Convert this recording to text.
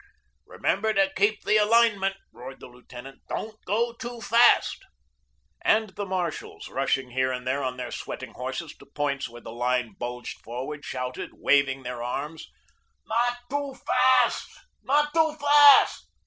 "Remember to keep the alignment," roared the lieutenant. "Don't go too fast." And the marshals, rushing here and there on their sweating horses to points where the line bulged forward, shouted, waving their arms: "Not too fast, not too fast....